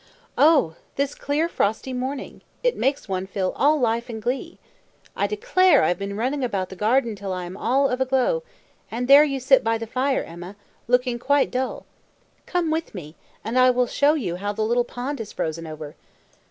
"Oh! this clear frosty morning! it makes one feel all life and glee. I declare I have been running about the garden till I am all of a glow; and there you sit by the fire, Emma, looking quite dull. Come with me, and I will show you how the little pond is frozen over."